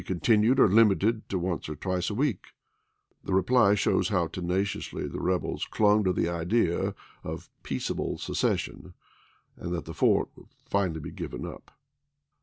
' continued or limited to once or twice a week ? The reply shows how tenaciously the rebels clung 30 ABRAHAM LINCOLN Chap. II. to the idea of "peaceable secession," and that the fort would be finally given up.